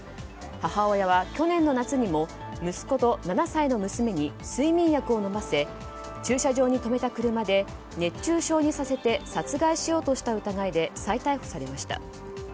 母親は去年の夏にも息子と７歳の娘に睡眠薬を飲ませ駐車場に止めた車で熱中症にさせて殺害しようとした疑いで再逮捕されました。